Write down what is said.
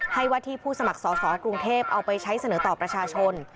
ให้วัตถิผู้สมัครสอบกรุงเทพฯเอาไปใช้เสนอต่อประชาชน